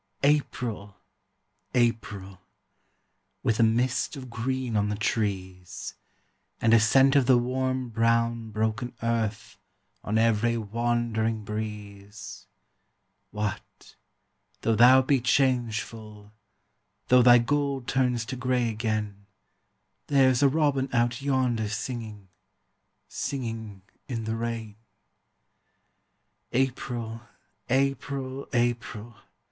April! April! With a mist of green on the trees And a scent of the warm brown broken earth On every wandering breeze; What, though thou be changeful, Though thy gold turns to grey again, There's a robin out yonder singing, Singing in the rain. April! April! April!